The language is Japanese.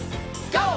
ＧＯ！